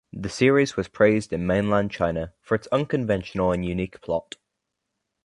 The series was praised in mainland China for its unconventional and unique plot.